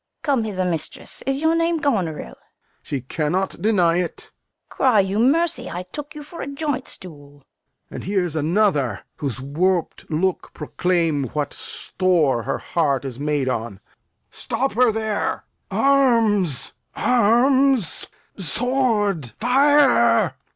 Fool. Come hither, mistress. Is your name Goneril? Lear. She cannot deny it. Fool. Cry you mercy, I took you for a joint stool. Lear. And here's another, whose warp'd looks proclaim What store her heart is made on. Stop her there! Arms, arms! sword! fire!